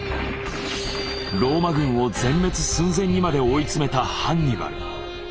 ローマ軍を全滅寸前にまで追いつめたハンニバル。